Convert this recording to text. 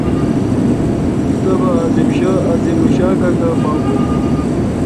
تبہ عظیم شا کاکا باگوُن۔